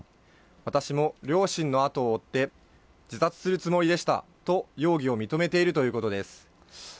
私も両親の後を追って自殺するつもりでしたと、容疑を認めているということです。